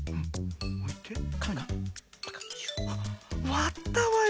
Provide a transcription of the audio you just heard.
わったわよ